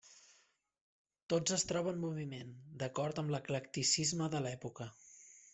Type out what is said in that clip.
Tots es troba en moviment, d'acord amb l'eclecticisme de l'època.